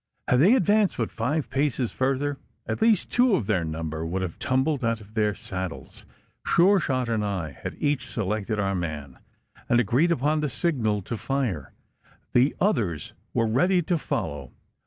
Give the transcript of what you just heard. Had they advanced but five paces further, at least two of their number would have tumbled out of their saddles. Sure shot and I had each selected our man, and agreed upon the signal to fire. The others were ready to follow.